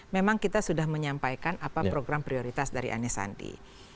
memang kita sudah menyampaikan apa program prioritas dari anisandi